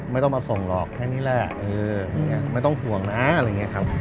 ไม่ต้องมาส่งหรอกแค่นี้แหละไม่ต้องห่วงนะอะไรอย่างนี้ครับ